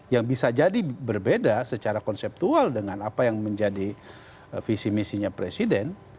yang bisa jadi berbeda secara konseptual dengan apa yang menjadi visi misinya presiden